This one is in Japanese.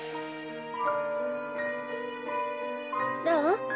どう？